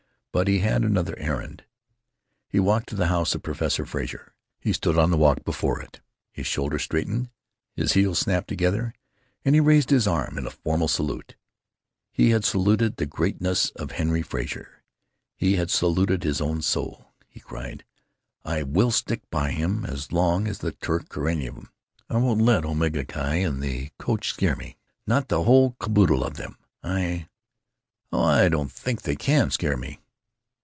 But he had another errand. He walked to the house of Professor Frazer. He stood on the walk before it. His shoulders straightened, his heels snapped together, and he raised his arm in a formal salute. He had saluted the gentleness of Henry Frazer. He had saluted his own soul. He cried: "I will stick by him, as long as the Turk or any of 'em. I won't let Omega Chi and the coach scare me—not the whole caboodle of them. I——Oh, I don't think they can scare me...."